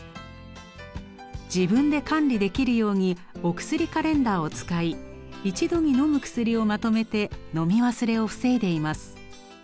自分で管理できるようにお薬カレンダーを使い一度にのむ薬をまとめてのみ忘れを防いでいます。